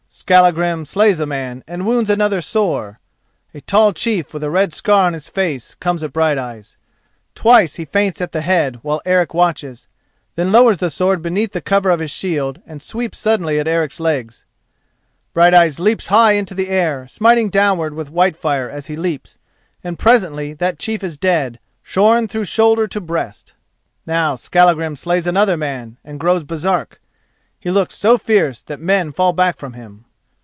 Skallagrim slays a man, and wounds another sore. A tall chief with a red scar on his face comes at Brighteyes. Twice he feints at the head while Eric watches, then lowers the sword beneath the cover of his shield, and sweeps suddenly at Eric's legs. Brighteyes leaps high into the air, smiting downward with Whitefire as he leaps, and presently that chief is dead, shorn through shoulder to breast. Now Skallagrim slays another man, and grows Baresark. He looks so fierce that men fall back from him.